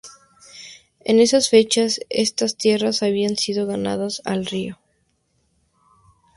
En esas fechas, estas tierras habían sido ganadas al río.